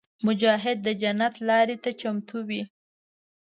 مجاهد د جنت لارې ته چمتو وي.